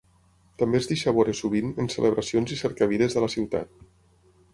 També es deixa veure sovint en celebracions i cercaviles de la ciutat.